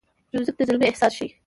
موزیک د زلمي احساس ښيي.